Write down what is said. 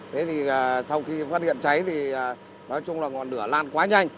thế thì sau khi phát hiện cháy thì nói chung là ngọn lửa lan quá nhanh